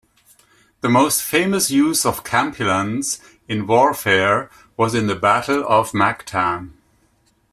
The most famous use of kampilans in warfare was in the Battle of Mactan.